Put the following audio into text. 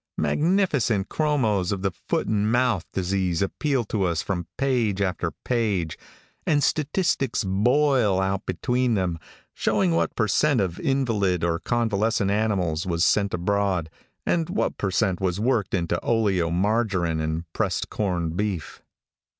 Magnificent chromos of the foot and mouth disease appeal to us from page after page, and statistics boil out between them, showing what per cent of invalid or convalescent animals was sent abroad, and what per cent was worked into oleomargarine and pressed corn beef.